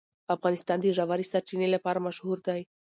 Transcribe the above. افغانستان د ژورې سرچینې لپاره مشهور دی.